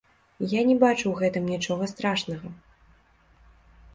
Я не бачу ў гэтым нічога страшнага.